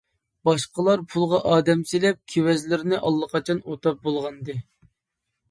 باشقىلار پۇلغا ئادەم سېلىپ كېۋەزلىرىنى ئاللىقاچان ئوتاپ بولغانىدى.